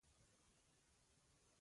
انګلیسي د بریښنالیک ژبه ده